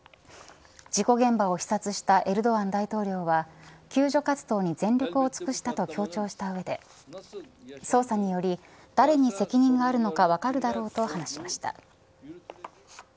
事故現場を視察したエルドアン大統領は救助活動に全力を尽くしたと強調した上で捜査により、誰に責任があるのか分かるだろうと話しました。